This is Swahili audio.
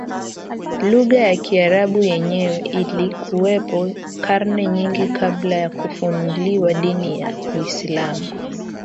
lugha ya Kiarabu yenyewe ilikuwepo karne nyingi kabla ya kufunuliwa dini ya Uislamu